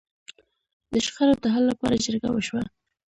د شخړو د حل لپاره جرګه وشوه.